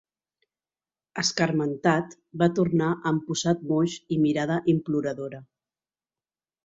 Escarmentat, va tornar amb posat moix i mirada imploradora.